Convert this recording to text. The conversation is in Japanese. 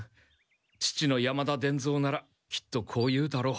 父の山田伝蔵ならきっとこう言うだろう。